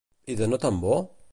I de no tan bo?